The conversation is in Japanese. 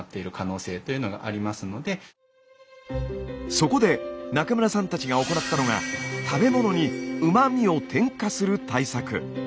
そこで中村さんたちが行ったのが食べ物にうま味を添加する対策。